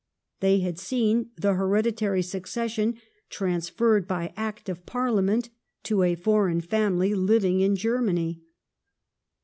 They had seen the hereditary succession transferred by Act of Parliament to a foreign family living in Germany.